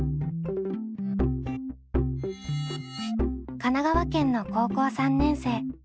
神奈川県の高校３年生みゆみゆ。